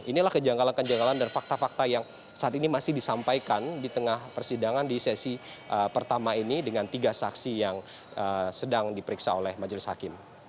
inilah kejanggalan kejanggalan dan fakta fakta yang saat ini masih disampaikan di tengah persidangan di sesi pertama ini dengan tiga saksi yang sedang diperiksa oleh majelis hakim